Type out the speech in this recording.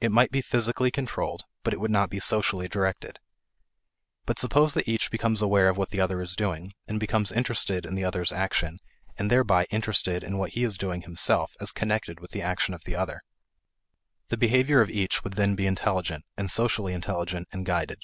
It might be physically controlled, but it would not be socially directed. But suppose that each becomes aware of what the other is doing, and becomes interested in the other's action and thereby interested in what he is doing himself as connected with the action of the other. The behavior of each would then be intelligent; and socially intelligent and guided.